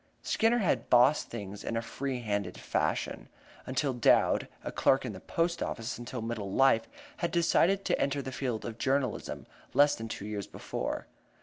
Skinner had "bossed" things in a free handed fashion until Dowd (a clerk in the post office until middle life) had decided to enter the field of journalism less than two years before.